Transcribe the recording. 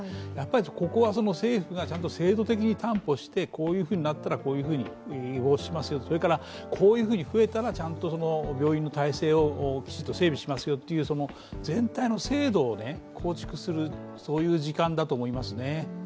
ここは政府がちゃんと制度的に担保してこういうふうになったら、こういうふうに予防しますよこういうふうに増えたら、ちゃんと病院の体制をきちんと整備しますよという全体の制度を構築する時間だと思いますね。